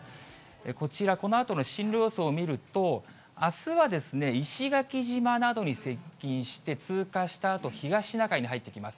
こちら、このあとの進路予想を見ると、あすは石垣島などに接近して通過したあと、東シナ海に入ってきます。